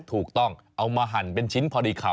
ถูกต้องเอามาหั่นเป็นชิ้นพอดีคำ